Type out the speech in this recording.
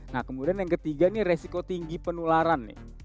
nah kemudian yang ketiga ini resiko tinggi penularan